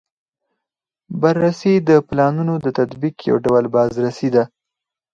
بررسي د پلانونو د تطبیق یو ډول بازرسي ده.